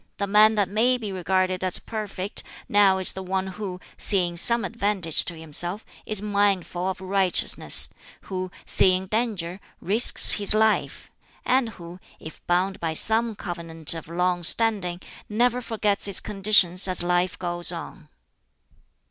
The man that may be regarded as perfect now is the one who, seeing some advantage to himself, is mindful of righteousness; who, seeing danger, risks his life; and who, if bound by some covenant of long standing, never forgets its conditions as life goes on."